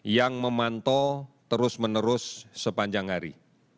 yang memantau terus menerus sepanjang hari